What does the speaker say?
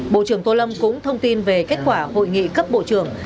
bộ trưởng tô lâm cũng thông tin về kết quả hội nghị cấp bộ trưởng